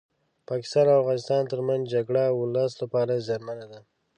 پاکستان او افغانستان ترمنځ جګړه ولس لپاره زيانمنه ده